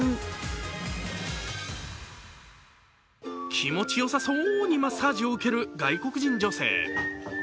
気持ちよさそうにマッサージを受ける外国人女性。